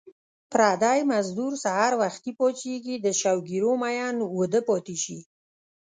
پردی مزدور سحر وختي پاڅېږي د شوګیرو مین اوده پاتې شي